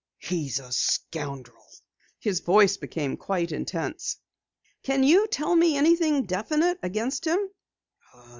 He's a scoundrel!" His voice grew quite intense. "Can you tell me anything definite against him?"